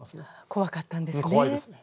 怖かったんですね。